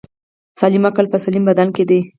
سالم عقل په سلیم بدن کی دی